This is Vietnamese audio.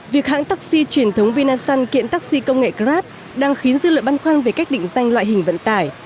việc hãng taxi truyền thống vinasun kiện taxi công nghệ grab đang khiến dư lợi băn khoăn về cách định danh loại hình vận tải